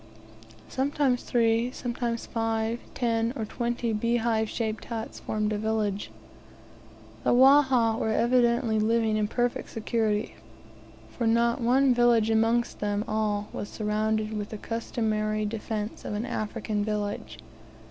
Sometimes three, sometimes five, ten, or twenty beehive shaped huts formed a village. The Wahha were evidently living in perfect security, for not one village amongst them all was surrounded with the customary defence of an African village.